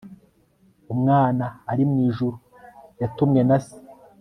umwna ari mu ijuru yatumwe na se